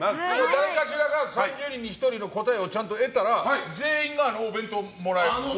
誰かしらが３０人に１人の答えをちゃんと得たら全員があのお弁当をもらえるの？